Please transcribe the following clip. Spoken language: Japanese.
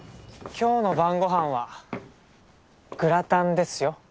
今日の晩ご飯はグラタンですよ。